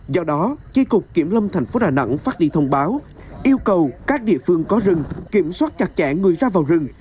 do đó chi cục kiểm lâm thành phố đà nẵng phát đi thông báo yêu cầu các địa phương có rừng kiểm soát chặt chẽ người ra vào rừng